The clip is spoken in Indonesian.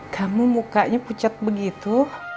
kamu mukanya pucat begitu